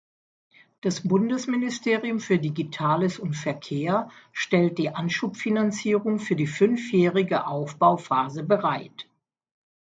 Das Bundesministerium für Digitales und Verkehr stellt die Anschubfinanzierung für die fünfjährige Aufbauphase bereit.